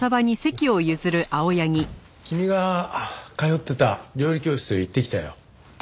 君が通ってた料理教室へ行ってきたよ。